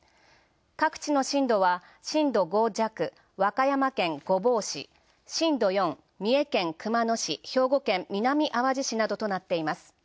各地の震度は震度５弱、和歌山県御坊市、震度４、三重県熊野市、兵庫県南あわじ市などとなっています。